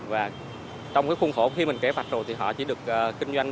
và trong cái khuôn khổ khi mình kể phạch rồi thì họ chỉ được kinh doanh